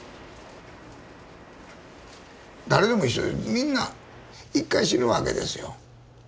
誰でも一緒みんな１回死ぬわけですよ。